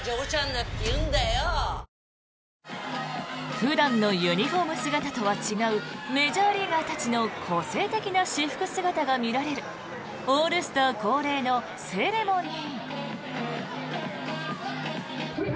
普段のユニホーム姿とは違うメジャーリーガーたちの個性的な私服姿が見られるオールスター恒例のセレモニー。